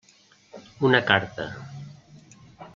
Una carta.